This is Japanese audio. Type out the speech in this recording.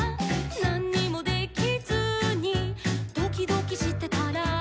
「なんにもできずにドキドキしてたら」